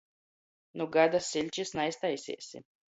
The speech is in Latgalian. Nu gada siļčys naiztaiseisi!